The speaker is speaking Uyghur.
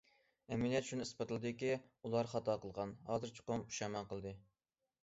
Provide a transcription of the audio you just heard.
ئەمەلىيەت شۇنى ئىسپاتلىدىكى، ئۇلار خاتا قىلغان، ھازىر چوقۇم پۇشايمان قىلدى.